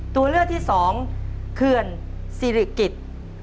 ตัวเลือกที่สองเขื่อนสิริกิจ